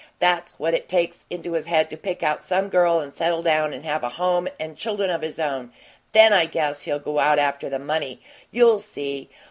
That's when he takes it into his head to pick out some girl and settle down and have a home and chuldern of his own. THEN, I guess, he'll go out after the money! You'll see.